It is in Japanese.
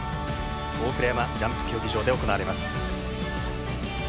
大倉山ジャンプ競技場で行われます。